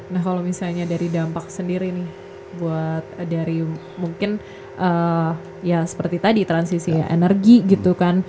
nah kalau misalnya dari dampak sendiri nih buat dari mungkin ya seperti tadi transisi energi gitu kan